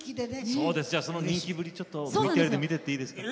その人気ぶり見ていっていいですか？